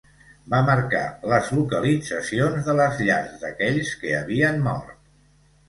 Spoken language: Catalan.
Va marcar les localitzacions de les llars d'aquells que havien mort.